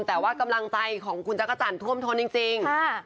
แต่ว่ากำลังใจของคุณจักรจันทร์ท่วมทนจริง